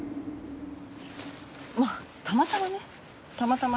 ああたまたまねたまたま。